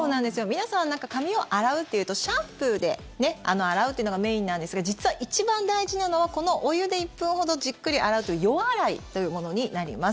皆さん、髪を洗うっていうとシャンプーで洗うっていうのがメインなんですが実は一番大事なのはお湯で１分ほどじっくり洗うという予洗いというものになります。